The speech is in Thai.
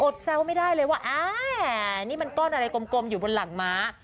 แซวไม่ได้เลยว่าอ่านี่มันก้อนอะไรกลมอยู่บนหลังม้า